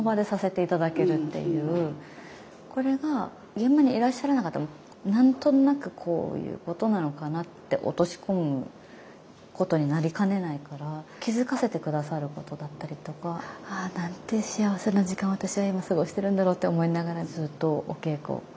これが現場にいらっしゃらなかったら何となくこういうことなのかなって落とし込むことになりかねないから気付かせて下さることだったりとか「ああなんて幸せな時間を私はいま過ごしてるんだろう」って思いながらずっとお稽古してましたもう。